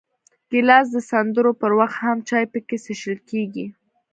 ګیلاس د سندرو پر وخت هم چای پکې څښل کېږي.